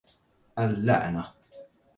اللعنة.